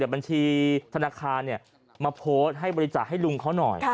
บัญชีธนาคารมาโพสต์ให้บริจาคให้ลุงเขาหน่อย